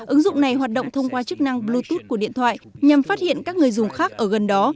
ứng dụng này hoạt động thông qua chức năng bluetooth của điện thoại nhằm phát hiện các người dùng khác ở gần đó